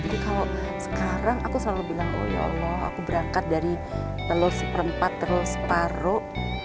jadi kalau sekarang aku selalu bilang oh ya allah aku berangkat dari telur seperempat telur separuh